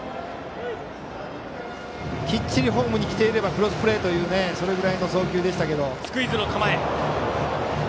きっちりホームにきていればクロスプレーそれぐらいの送球でしたけども。